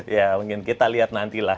ya mungkin kita lihat nantilah